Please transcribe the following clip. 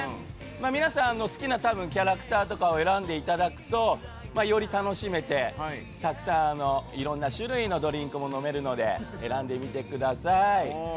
皆さん好きなキャラクターとかを選んでいただくとより楽しめてたくさんいろんな種類のドリンクも飲めるので選んでみてください。